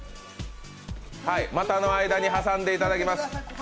股の間に挟んでいただきます。